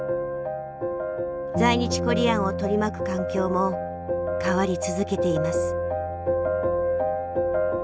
在日コリアンを取り巻く環境も変わり続けています。